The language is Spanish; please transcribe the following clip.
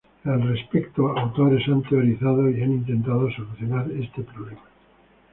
Al respecto, autores han teorizado y han intentado solucionar este problema.